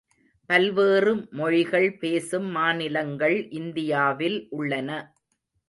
பல்வேறு மொழிகள் பேசும் மாநிலங்கள் இந்தியாவில் உள்ளன.